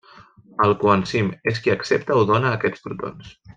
El coenzim és qui accepta o dóna aquests protons.